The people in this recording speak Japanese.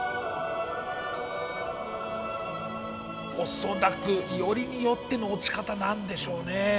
恐らくよりによっての落ち方なんでしょうね。